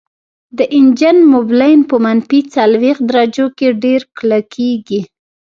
د انجن موبلاین په منفي څلوېښت درجو کې ډیر کلکیږي